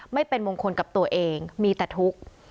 ไม่เป็นมงคลกับตัวเองมีแต่ทุกข์